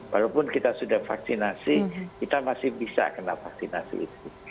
walaupun kita sudah vaksinasi kita masih bisa kena vaksinasi itu